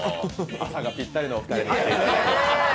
朝がぴったりのお二人で。